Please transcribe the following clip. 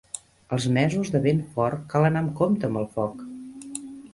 Els mesos de vent fort cal anar amb compte amb el foc.